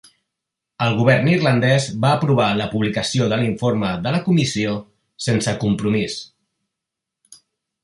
El Govern irlandès va aprovar la publicació de l'informe de la Comissió, sense compromís.